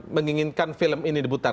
menginginkan film ini dibutar